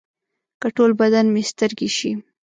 که ټول بدن مې سترګې شي.